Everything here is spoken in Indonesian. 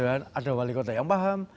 ada wali kota yang paham